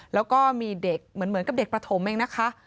แล้วก็มีเด็กเหมือนกับเด็กประถมเองนะคะ